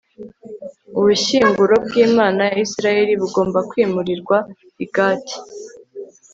ubushyinguro bw'imana ya israheli bugomba kwimurirwa i gati